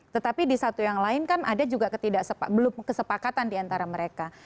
tetapi di satu yang lain kan ada juga ketidaksepak belum kesepakatan diantara mereka